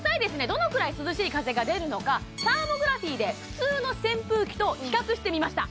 どのくらい涼しい風が出るのかサーモグラフィーで普通の扇風機と比較してみました